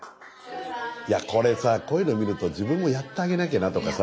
これさこういうの見ると自分もやってあげなきゃなとかさ。